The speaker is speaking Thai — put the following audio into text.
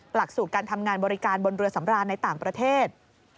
หลักสูตรการทำงานบริการบนเรือสำราญในต่างประเทศ